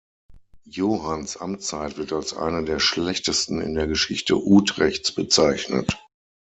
Johanns Amtszeit wird als eine der schlechtesten in der Geschichte Utrechts bezeichnet.